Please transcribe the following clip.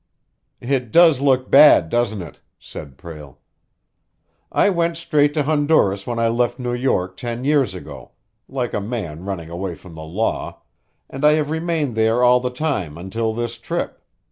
"It does look bad, doesn't it?" said Prale. "I went straight to Honduras when I left New York ten years ago, like a man running away from the law, and I have remained there all the time until this trip.